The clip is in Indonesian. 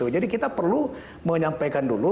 jadi kita perlu menyampaikan dulu